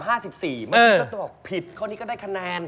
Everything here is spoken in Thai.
ถ้าตอบผิดข้อนี้ก็ได้คะแนน